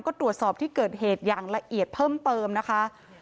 ก็ตรวจสอบที่เกิดเหตุอย่างละเอียดเพิ่มเติมนะคะ